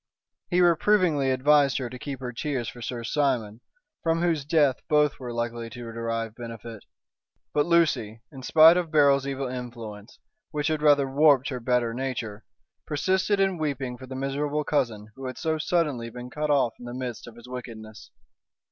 He reprovingly advised her to keep her tears for Sir Simon, from whose death both were likely to derive benefit. But Lucy, in spite of Beryl's evil influence, which had rather warped her better nature, persisted in weeping for the miserable cousin who had so suddenly been cut off in the midst of his wickedness.